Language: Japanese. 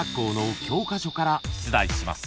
［出題します］